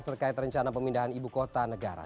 terkait rencana pemindahan ibu kota negara